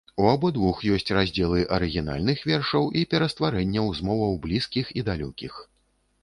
У абодвух ёсць раздзелы арыгінальных вершаў і перастварэнняў з моваў блізкіх і далёкіх.